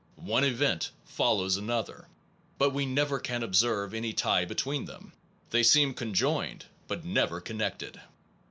One event follows another, but we never can observe any tie between them. They seem conjoined, but never connected.